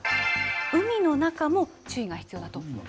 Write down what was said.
海の中も注意が必要なところ。